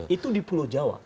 itu di pulau jawa